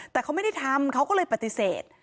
แต่เขาไม่ได้ทำเขาก็เลยปฏิเสธ